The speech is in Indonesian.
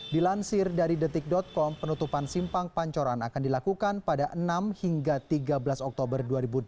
dilansir dari detik com penutupan simpang pancoran akan dilakukan pada enam hingga tiga belas oktober dua ribu delapan belas